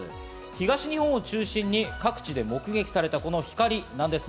東日本を中心に各地で目撃された光です。